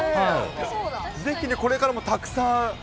ぜひこれからもたくさん。